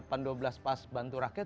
pendoblas pas bantu rakyat